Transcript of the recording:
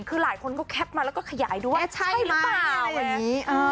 คือหลายคนก็แคปมาแล้วก็ขยายดูว่าใช่หรือเปล่าอย่างนี้